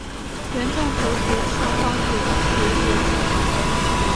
原洞口左上方有竹有小亭。